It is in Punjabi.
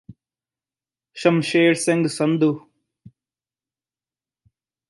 ਸ਼ਮਸ਼ੇਰ ਸਿੰਘ ਸੰਧੂ